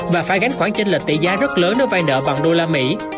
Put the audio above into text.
và phải gánh khoản trên lệch tỷ giá rất lớn nếu vai nợ bằng đô la mỹ